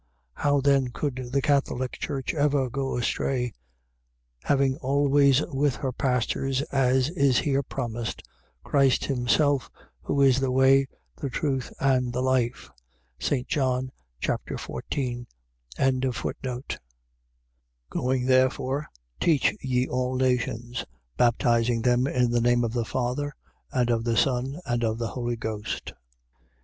How then could the Catholic Church ever go astray; having always with her pastors, as is here promised, Christ himself, who is the way, the truth, and the life. St. John 14. 28:19. Going therefore, teach ye all nations: baptizing them in the name of the Father and of the Son and of the Holy Ghost.